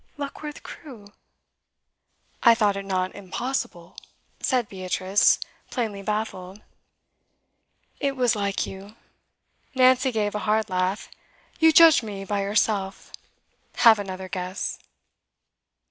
Luckworth Crewe?' 'I thought it not impossible,' said Beatrice, plainly baffled. 'It was like you.' Nancy gave a hard laugh. 'You judged me by yourself. Have another guess!